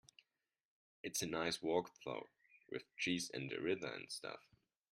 It's a nice walk though, with trees and a river and stuff.